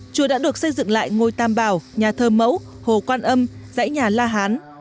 chùa đã được xây dựng lại ngôi tam bảo nhà thơ mẫu hồ quan âm dãy nhà la hán